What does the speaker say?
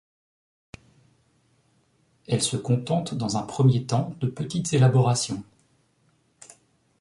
Elle se contente dans un premier temps de petites élaborations.